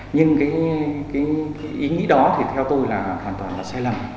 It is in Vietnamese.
nhưng cái ý nghĩa đó thì theo tôi là hoàn toàn là sai lầm